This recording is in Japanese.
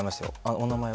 お名前は？